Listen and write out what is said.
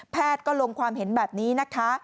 ก็ลงความเห็นแบบนี้นะคะ